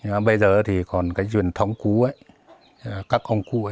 nhưng mà bây giờ còn cái truyền thống cũ các ông cũ